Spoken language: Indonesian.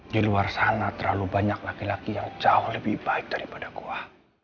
di luar sana terlalu banyak laki laki yang jauh lebih baik daripada goa